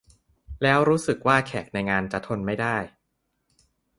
แล้วรู้สึกว่าแขกในงานจะทนไม่ได้